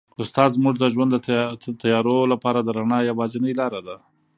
استاد زموږ د ژوند د تیارو لپاره د رڼا یوازینۍ لاره ده.